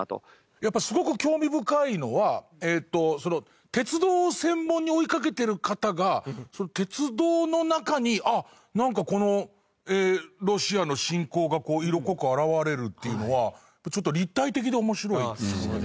やっぱすごく興味深いのは鉄道を専門に追いかけてる方が鉄道の中になんかロシアの侵攻が色濃く表れるっていうのはちょっと立体的で面白いという。